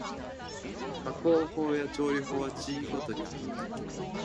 加工法や調理法は地域ごとに異なる